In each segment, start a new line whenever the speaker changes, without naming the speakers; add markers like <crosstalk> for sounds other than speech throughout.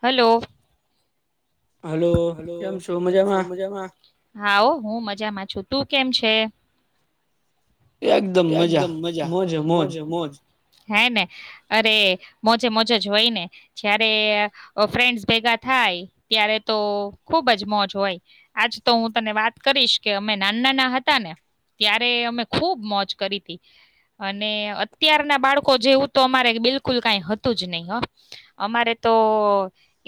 Hello. Hello કેમ છો મજામાં હાહો હું મજામાં છું. તું કેમ છે? એકદમ મજા મોજે મોજ હે ને અરે મો મોજે મોજ જ હોય ને જયારે ફ્રેન્ડસ ભેગા થાય ત્યારે તો ખુબ જ મોજ હોય આજ તો હું તને વાત કરીશ કે અમે નાના નાના હતા ને ત્યારે અમે ખૂબ મોજ કરીતી અને અત્યારના બાળકો જેવું તો અમારે બિલકુલ કઈ હતું જ નહી હહ અમારે તો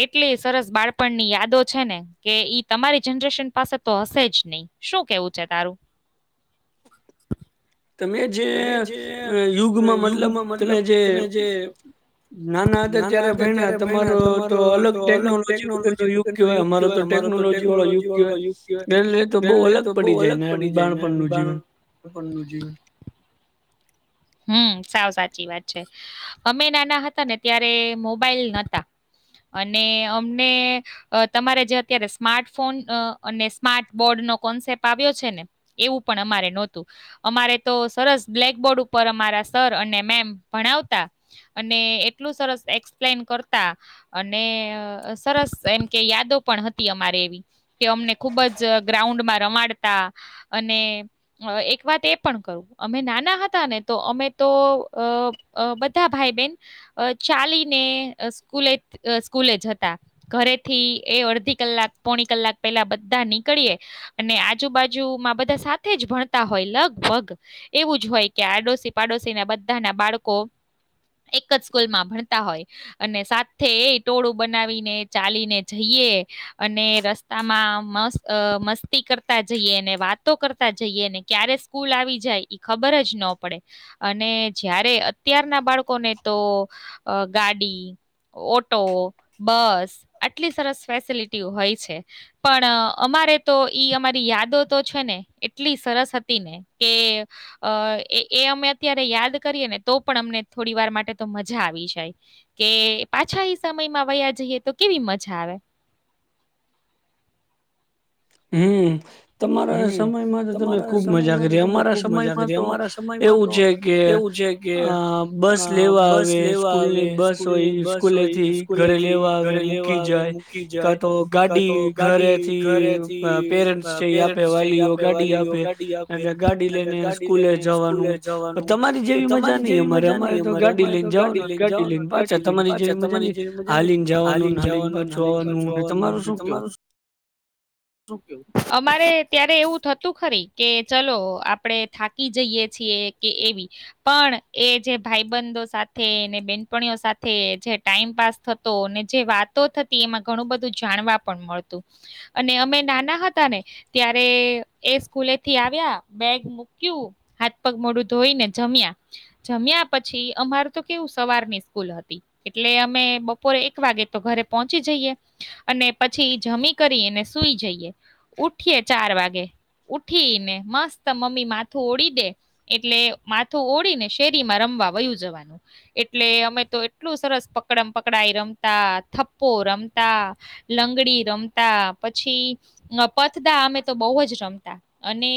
એટલી સરસ બાળપણની યાદો છે ને કે ઈ તમારી જનરેશન પાસે તો હશે જ નહી. શું કેવું છે તારું?
તમે જે યુગમાં મતલબ તમે જે નાના હતા ત્યારે ભઈના તમારો તો અલગ ટેકનોલોજી વગરનો યુગ કેવાય અમારો તો ટેકનોલોજી વાળો યુગ કેવાય એટલે તો બહુ અલગ પડી જાયને એમ બાળપણનું જીવન
હમ સાવ સાચી વાત છે. અમે નાના હતાને ત્યારે મોબાઈલ નતા અને અમને અ તમારે જે અત્યારે સ્માર્ટફોન અને સ્માર્ટ બોર્ડનો કોન્સેપ્ટ આવ્યો છે. ને એવું પણ અમારે નોતું અમારે તો સરસ બ્લેકબોર્ડ ઉપ પર અમારા સર અને મેમ ભણાવતા અને એટલું સરસ એક્સપ્લેન કરતા અને સરસ એમ કે યાદો પણ હતી. અમારે એવી કે અમને ખુબ જ ગ્રાઉન્ડમાં રમાડતા અને એક વાત એ પણ કરું અમે નાના હતા ને તો અમે તો અ અ બધા ભાઈ બેન અ ચાલીને અ સ્કૂલે અ સ્કૂલે જતા. ઘરેથી એ અડધી કલાક પોણી કલાક પહેલા બધા નીકળીએ અને આજુબાજુમાં બધા સાથે જ ભણતા હોય લગભગ એવું જ હોય કે આડોશ પાડોશી ના બધાના બાળકો એક જ સ્કૂલમાં ભણતા હોય અને સાથે એ ટોળું બનાવીને ચાલીને જઈએ, અને રસ્તામાં મસ્તી કરતા જઈએ, ને વાતો કરતા જઈએ ને ક્યારે સ્કૂલ આવી જાય ઈ ખબર જ ન પડે અને જયારે અત્યારના બાળકોને તો ગાડી, ઓટો, બસ અટલી સરસ ફેસિલિટી હોય છે પણ અમારે તો ઈ અમારી યાદો તો છે ને એટલી સરસ હતી ને કે એ એ અમે અત્યારે યાદ કરીએ ને તો પણ અમને થોડી વાર માટે તો મજા આવી જાય કે પાછા એ સમયમાં વયા જઈએ તો કેવી મજા આવે.
હમ. તમારા સમયમાં તો તમે ખુબ મજા કરી. અમારા સમયમાં તો એવું છે કે આ બસ લેવા આવે, સ્કૂલની બસ હોય, સ્કૂલેથી ઘરે લેવા આવે, મૂકી જાય, કા તો ગાડી ઘરેથી
ઈ મતલબ
આપે વાલીઓ ગાડી આપે એટલે ગાડી લઈને સ્કૂલે જવાનું પણ તમારી જેવી મજા નઈ અમારે અમારે તો ગાડી લઈને જવાનુંને ગાડી લઈને પાછા તમારી જેવી મજા નઈ હાલીને જવાનું ને હાલીને પાછું આવવાનુંને. તમારું શું કેવું?
અમારે ત્યારે એવું થતું ખરી કે ચલો આપણે થાકી જઈએ છીએ કે એવી પણ એ જે ભાઈબંધો સાથેને બેનપણીઓ સાથે જે ટાઈમ પાાસ થતો ને જે વાતો થતી એમાં ઘણું બધું જાણવા પણ મળતું અને અમે નાના હતા ને ત્યારે એ સ્કૂલેથી આવ્યા, બેગ મૂક્યું, હાથ પગ મોઢું ધોઈને જમ્યા, જમ્યા પછી અમારું તો કેવું સવારની સ્કૂલ હતી એટલે અમે બપોરે એક વાગે તો ઘરે પહોચી જઈએ અને પછી જમી કરી અને સુઈ જઈએ ઉઠીએ ચાર વાગે, ઉઠીને મસ્ત મમ્મી માથું ઓડી દે એટલે માથું ઓળીને શેરીમાં રમવા વયું જવાનું. એટલે અમે તો એટલું સરસ પકડમ પકડાઈ રમતા, થપ્પો રમતા, લંગડી રમતા, પછી પત્તા અમે તો બહુ જ રમતા અને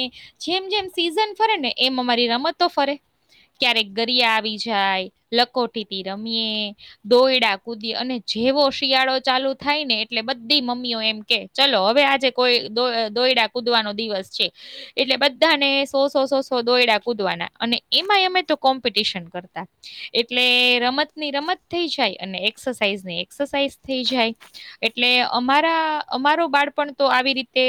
જેમ જેમ સીઝન ફરે ને એમ અમારી રમતો ફરે ક્યારેક ગરિયા આવી જાય, લકોટીથી રમીએે, દોયડા કૂદીએ અને જેવો શિયાળો ચાલુ થાય ને એટલે બધી મમ્મીઓ એમ કે ચલો હવે આજે કોય દોય દોયડા કૂદવાનો દિવસ છે એટલે બધાને સો સો સો દોયડા કૂદવાના અને એમાંય અમે તો કોમ્પિટશન કરતા. એટલે રમતની રમત થઈ જાય અને એક્સરસાઇઝની એક્સરસાઇઝ થઈ જાય એટલે અમારા અમારો બાળપણ તો આવી રીતે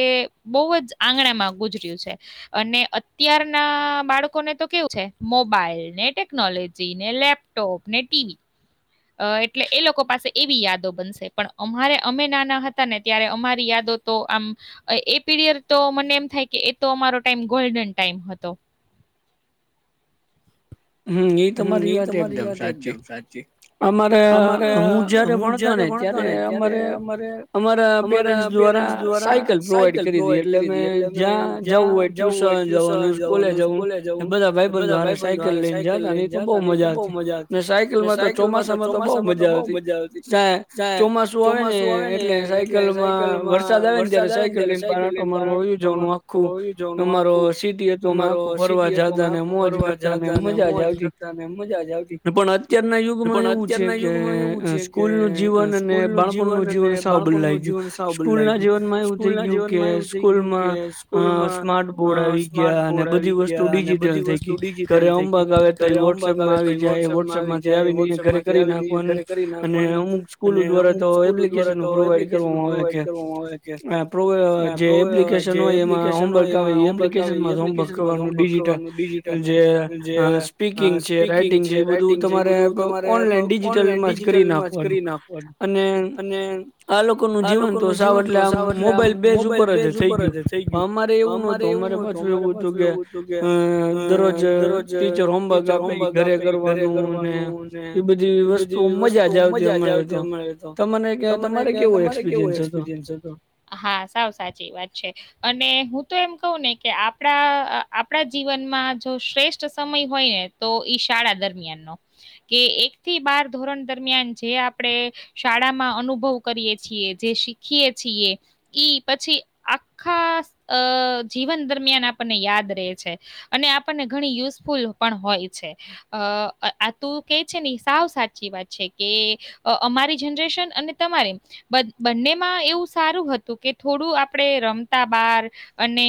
બહુ જ આંગણામાં ગુજર્યું છે અને અત્યારના બાળકોને તો કેવું છે મોબાઈલ ને, ટેકનોલોજી ને, લેપટોપ ને, ટીવી અ એટલે એ લોકો પાસે એવી યાદો બનશે પણ અમારે અમે નાના હતા ને ત્યારે અમારી યાદો તો આમ એ પીરિયડ તો મને એમ થાય કે એ તો અમારો ટાઈમ ગોલ્ડન ટાઈમ હતો.
હમ, એ તમારી વાત એકદમ સાચી અમારે હું જયારે ભણતો ને ત્યારે અમારે અમારા પેરેન્ટ્સ દ્વારા સાયકલ પ્રોવાઈડ કરી દીયે એટલે અમે જ્યાં જવું હોય ટ્યુશન જવાનું, સ્કૂલે જવું બધાં ભાઈબંધો દ્વારા સાય તો બો મજા આવતી સાયકલમાં તો ચોમાસામાં તો બો મજા આવતી <unintelligible> ચોમાસું આવે ને એટલે સાયકલમાં વરસાદ આવે ને ત્યારે સાયકલ લઈને બાર આટો મારવા <unintelligible> આખું અમારો સીટી હતું <unintelligible> આખું ફરવા જાતા ને મોજ
<unintelligible> મજાજ આવતી પણ અત્યારના યુગમાં એવું છે કે સ્કૂલનું જીવન અને બાળપણનું જીવન સાવ બદલાય ગયું. સ્કૂલનાં જીવનમાં એવું થઈ ગયું કે સ્કૂલમાં સ્માર્ટ બોર્ડ આવી ગયા અને બધી વસ્તુ બીજી
ઘરે હોમવર્ક અવે વોટ્સએપમાં આવી જાય વોટ્સએપ માંથી આવી ઘરે કરી નાખવાનું અને અમુક સ્કૂલો દ્વારા તો એપ્લિકેશન પ્રોવાઈડ કરવામાં આવે કે પ્રો જે એપ્લિકેશન હોય એમાં હોમવર્ક આવે એ એપ્લિકેશનમાં હોમવર્ક કરવાનું ડિજિટલ જે આ સ્પી
આ સ્પીકિંગ છે, રાઈટિંગ છે એ બધું તમારે ઓનલાઈન ડિજિટલમાં જ કરી નાખવાનું અને આ લોકોનું જીવન તો સાવ એટલે આ મોબાઈલ બેઝ ઉપર જ થઈ ગયું અમારે એવું નતું અમારે પાછું એવું હતું કે
દરરોજ ટીચર હોમ
ટીચર હોમવર્ક આપે ઈ ઘરે કરવાનું ને બધી વસ્તુ મજા જ આવતી અમને તો <unintelligible> તમારે કેવો એક્સપિરિયન્સ હતો? હા સાવ સાચી વાત છે અને તો એમતો નય કે આપણા અહ આપણા જીવનમાં જો શ્રેષ્ઠ સમય હોઈએ તો ઈ શાળા દરમિયાનનો. કે એકથી બાર ધોરણ દરમિયાન જે આપણે શાળામાં અનુભવ કરીએ છીએ, જે શીખીએ છીએ, ઈ પછી આખા અહ જીવન દરમિયાન આપણને યાદ રહેે છે. અને આપણને ઘણી યુઝફુલ પણ હોય છે. અહ આ તું કે છે ને એ સાવ સાચી વાત છે, કે અહ અમારી જનરેશન અને તમારે બન બંનેમાં એવું સારું હતું કે થોડું આપણે રમતા બાર અને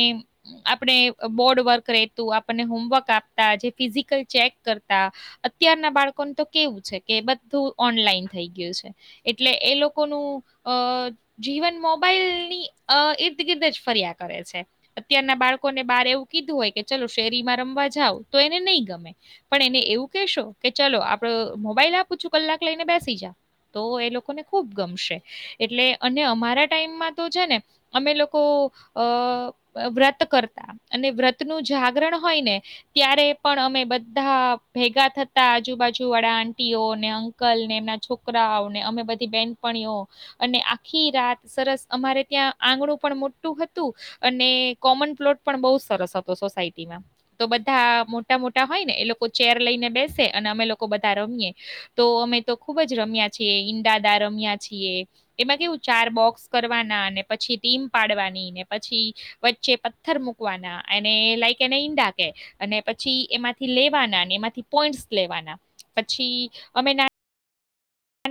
આપણે બોર્ડવર્ક રહેેતું, આપણને હોમવર્ક આપતા જે ફિઝિકલ ચેક તા, અત્યારના બાળકોનું તો કેવું છે કે બધું ઓનલાઈન થઈ ગયું છે. એટલે એ લોકોનું અહ જીવન મોબાઈલની અહ ઈર્દ ગિર્દ જ ફર્યા કરે છે. અત્યારના બાળકોને બહાર એવું કીધું હોય કે ચલો શેરીમાં રમવા જાવ તો એને નય ગમે પણ એને એવું કહેશો કે ચલો આપણો મોબાઈલ આપું છું કલાક લઈને બેસી જા. તો એ લોકોને ખૂબ ગમશે એટલે અને અમારા ટાઈમમાં તો છે ને અમે લોકો અહ વ્રત કરતા, અને વ્રત નું જાગરણ હોય ને ત્યારે પણ અમે બધા ભેગા થતા આજુબાજુ વાળા આન્ટીઓ ને અંકલ ને એમના છોકરાઓ ને અમે બધી બેનપણીઓ અને આખી રાત સરસ અમારે ત્યાં આંગણું પણ મોટું હતું અને કોમન પ્લોટ પણ બોઉ સરસ હતો સોસાયટીમાં. તો બ ધા મોટા-મોટા હોય ને એ લોકો ચેર લઈને બેસે અને અમે લોકો બધા રમીએ, તો અમે તો ખૂબ જ રમ્યા છીએ. ઈંડાદા રમ્યા છીએ, એમાં કેવું ચાર બોક્સ કરવાના, ને પછી ટીમ પાડવાની, ને પછી વચ્ચે પથ્થર મૂકવાના એને લાઈક એન ઈંડા કે. અને પછી એમાંથી લેવાનાને એમાંથી પોઈન્ટ્સ લેવાના, પછી અમે ના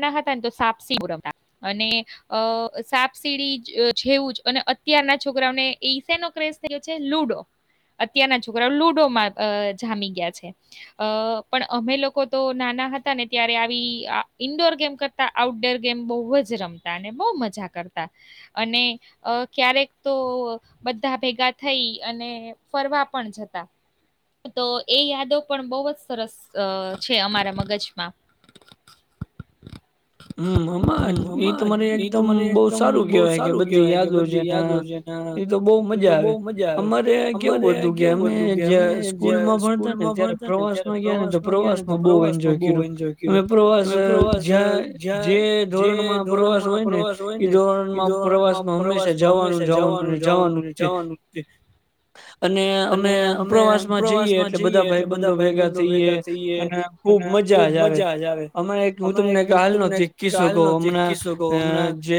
ના હતા તો સાપસીડી બહું રમતા, અને અહ સાપસીડી જેવુંજ. અને અત્યારના છોકરાઓને <unintelligible> ક્રેઝ થઈ ગયું છે લુડો. અત્યારના છોકરાઓ લુડોમાં અહ જામી ગયા છે. અહ પણ અમે લોકો તો નાના હતા ને ત્યારે આવી આ ઈન્ડોર ગેમ કરતા આઉટડોર ગેમ બહું જ રમતા, અને બહું મજા કરતા, અને અહ ક્યારેક તો બધા ભેગા થઈ અને ફરવા પણ જતા તો એ યાદો પણ બહું જ સરસ અહ છે અમારા મગજમાં.
હમ્મ. <unintelligible> ઈતો મને એકદમ બહું સારું કેવાય કે બધી યાદો છે ના, ઈ તો બહું મજા આવે. અમારે કેવું હતું કે અમે જયાં સ્કૂલમાં ભણતાને ત્યારે પ્રવાસમાં ગયા ને તો પ્રવાસમાં બહું એન્જોય કર્. યું અને પ્રવાસ અહ જયાં જે ધોરણમાં પ્રવાસ હોયને ઈ ધોરણમાં પ્રવાસમાં હંમેશા જવાનું, જવાનું ને જવાનું જ તે. અને અમે પ્રવાસમાં જઈએ એટલે બધા ભાઈબંધો ભેગા થઈએ અને ખૂબ મજાજ આવે. અમ આમાં એક હું તમને ગાલનો એક કિસ્સો કહું. હમણાં અહ જે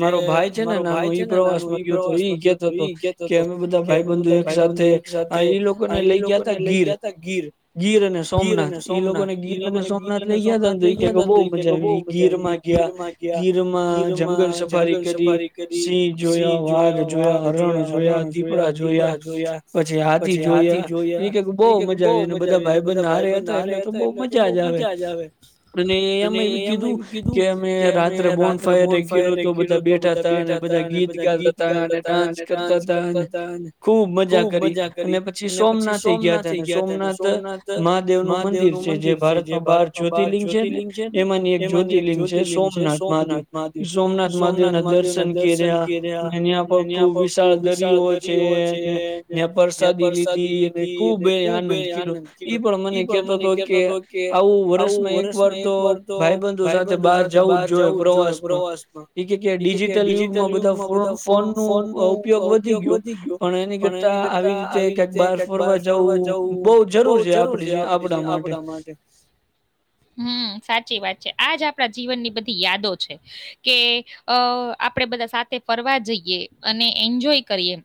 મારો ભાઈ છે ને નાનું ઈ પ્રવાસમાં ગયો તો, ઈય કેતો તો કે અમે બધાં ભાઈબંધુ એક સાથે, અહ ઈ લોકોને લઈ ગયા તાં ગીર. ગીર અને સોમનાથ. ઈ લોકોને ગીર અને સોમનાથ લઈ ગયા તાં ને તો ઈ કે કે બહુ મજા આયવી. ગીરમાં ગયા, ગીરમાં જંગલ સફારી કરી, સિંહ જોયા, વાઘ જોયા, હરણ જોયા, દીપડા જોયા, પછી હાથી જોયા. એ કયે કે બહુ મજા આવી અને બધા ભાઈબંધ હારે હતા એટલે તો બહું મજા જ આવે. અને ઈએ એમેય કીધું કે અમે રાત્રે બોન ફાયર કીરું તું, બધા બેઠા તા અને બધા ગીત ગાતા તા ને ને ડાન્સ કરતા તા ને ખુબ મજા કરી. અને પછી સોમનાથ એય ગયા તા અને સોમનાથ મહાદેવનું મંદિર છે. જે ભારતમાં બાર જ્યોર્તીલિંગ છે ને એમાની એક જ્યોત ર્લિંગ છે સોમનાથ મહાદેવ. સોમનાથ મહાદેવ ના દર્શન કર્યા, અને ન્યાં પર ખુબ વિશાળ દરિયો છે, ને ન્યાં પ્રસાદી લીધી ને ખુબ એય આનંદ કર્યો. ઈ પણ મને કેતો તો કે આવું વર્ષમાં એક એક વાર તો ભાઈબંધો સાથે
બંધો સાથે બહાર જવું જ જોઈએ પ્રવાસમાં. એ ક્યે કે આ ડિજિટલ યુગમાં બધા ફોન ફોન નું ઉપયોગ વધી ગયો. પણ એની કરતા આવી રીતે કેક બહાર ફરવા જવું બહું જરૂર છે, આપ જે આપડા માટે. હમ્મ સાચી વાત છે. આજ આપણા જીવનની બધી યાદો છે. કે અહ આપડે બધા સાથે ફરવા જઈએ અને એન્જોય કરીએ,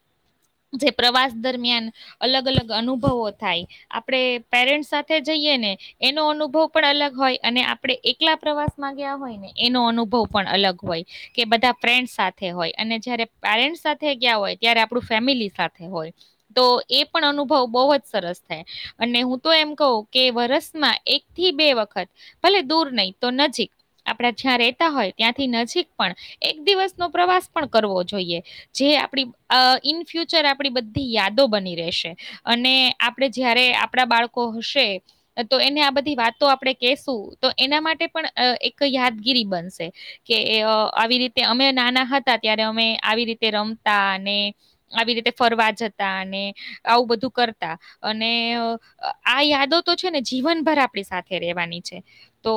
જે પ્રવાસ દરમિયાન અલગ-અલગ અનુભવો થાય, આપડે પેરેન્ટ્સ સાથે જઈએ ને એનો અનુભવ પણ અલગ હોય. અને આપણે એકલા પ્રવાસમાં ગયા હોય ને એનો અનુભવ પણ અલગ હોય. કે બધા ફ્રેન્ડ્સ સાથે હોય અને જયારે પેરેન્ટ્સ સાથે ગયા હોય ત્યારે આપણું ફેમિલી સાથે હોય, તો એ પણ અનુભવ બહુ જ સરસ થાય. અને હું તો એમ કહું કે વરસમાં એક થી બે વખત ભલે દૂર નહી તો નજીક, આપડા જ્યાં રેતા હોય ત્યાંથી નજીક પણ એક દિવસનો પ્રવાસ પણ કરવો જોઈએ. જે આપડી અહ ઇન ફ્યુચર આપણી બધી યાદો બની રહેશે. અને આપણે જયારે આપણા બાળકો હશે તો એને આ બધ ધી વાતો આપણે કહેશું તો એના માટે પણ અહ એક યાદગીરી બનશે. કે અહ આવી રીતે અમે નાના હતા, ત્યારે અમે આવી રીતે રમતા, ને આવી રીતે ફરવા જતા, ને આવું બધું કરતા અને આ યાદો તો છે ને જીવનભર આપ ણી સાથે રહેવાની છે. તો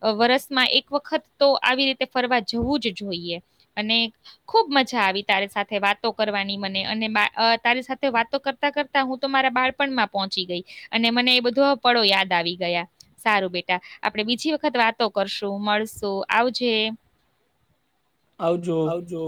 અહ વરસમાં એક વખત તો આવી રીતે ફરવા જવું જ જોઈએ. અને ખુબ મજા આવી તારી સાથે વાતો કરવાની મને, અને બા અહ તારી સાથે વાતો કરતા-કરતા હું તો મારા બાળપણમાં પહોંચી ગઈ. અને મને એ બધો પળો યાદ આવી ગયા. સારું બેટા આપણે બીજી વખત વાતો કરશું, મળશું આવજે. આવજો.